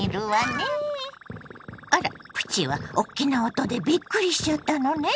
あらプチはおっきな音でびっくりしちゃったのね。